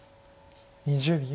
２０秒。